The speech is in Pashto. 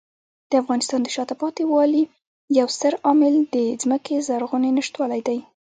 د افغانستان د شاته پاتې والي یو ستر عامل د ځمکې زرغونې نشتوالی دی.